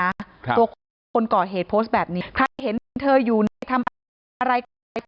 ตัวคนก่อเหตุโพสต์แบบนี้ใครเห็นเธออยู่นี่ทำอะไร